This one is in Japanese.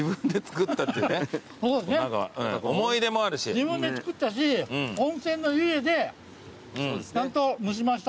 自分で作ったし温泉の湯気でちゃんと蒸しましたと。